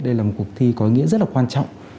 đây là một cuộc thi có ý nghĩa rất là quan trọng